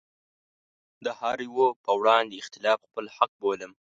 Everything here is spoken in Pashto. د هره يوه په وړاندې اختلاف خپل حق بولم.